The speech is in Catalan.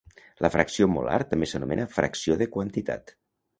La fracció molar també s'anomena fracció de quantitat.